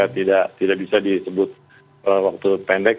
tidak bisa disebut waktu pendek